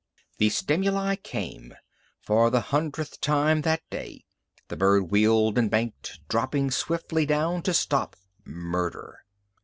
The stimuli came! For the hundredth time that day, the bird wheeled and banked, dropping swiftly down to stop murder.